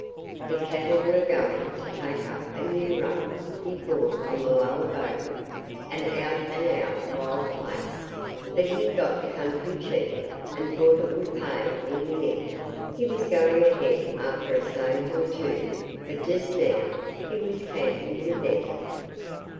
The cattle were going to take up a new run he'd bought on the Lower Bogan, an out and out wild place; but he'd got the country cheap, and thought it would pay in the end. He was going ahead after a stage or two, but just now he was camping with them.